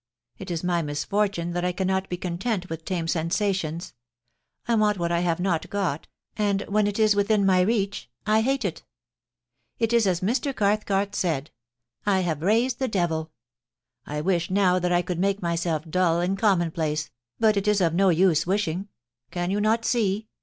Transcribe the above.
It is my misfortune that I cannot be content with tame sensations. I want what I have not got, and when it is within my reach, I hate it It is as Mr. Cathcart said — I have raised the devil I wish now that I could make myself dull and commonplace, but it is of no use wishing. Can you not see